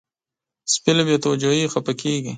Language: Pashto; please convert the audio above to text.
سپي له بې توجهۍ خپه کېږي.